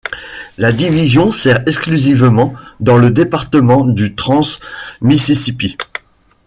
La division sert exclusivement dans le département du Trans-Mississippi.